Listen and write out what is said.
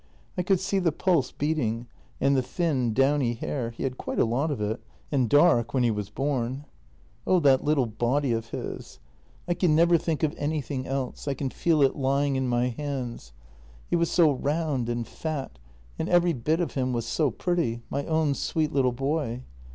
I could see the pulse beat ing and the thin, downy hair; he had quite a lot of it — and dark — when he was born. " Oh, that little body of his! I can never think of anything JENNY 270 else — I can feel it lying in my hands. He was so round and fat, and every bit of him was so pretty — my own sweet little boy!